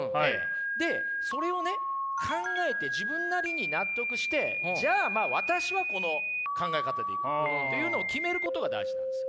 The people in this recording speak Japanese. でそれをね考えて自分なりに納得してじゃあ私はこの考え方でいくというのを決めることが大事なんですよ。